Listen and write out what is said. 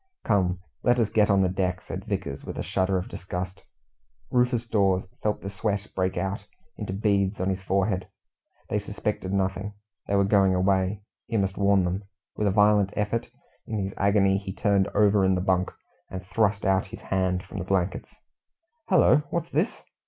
"Come, let us get on deck," said Vickers, with a shudder of disgust. Rufus Dawes felt the sweat break out into beads on his forehead. They suspected nothing. They were going away. He must warn them. With a violent effort, in his agony he turned over in the bunk and thrust out his hand from the blankets. "Hullo! what's this?"